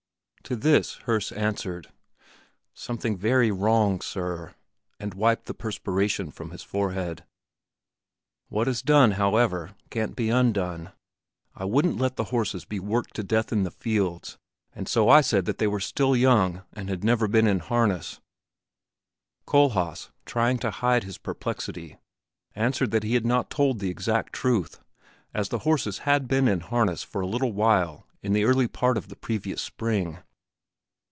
To this Herse answered, "Something very wrong, Sir," and wiped the perspiration from his forehead. "What is done, however, can't be undone. I wouldn't let the horses be worked to death in the fields, and so I said that they were still young and had never been in harness." Kohlhaas, trying to hide his perplexity, answered that he had not told the exact truth, as the horses had been in harness for a little while in the early part of the previous spring.